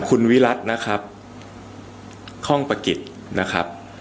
คุณวิรัตินะครับคล่องประกิจนะครับ